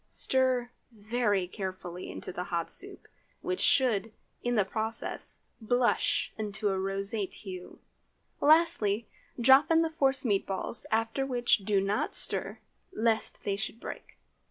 Stir very carefully into the hot soup, which should, in the process, blush into a roseate hue. Lastly, drop in the force meat balls, after which do not stir, lest they should break.